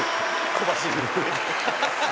小走り。